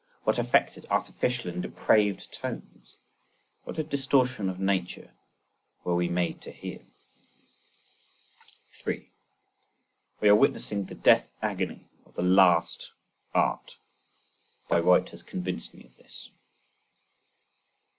What affected, artificial and depraved tones, what a distortion of nature, were we made to hear! 3. We are witnessing the death agony of the last Art: Bayreuth has convinced me of this.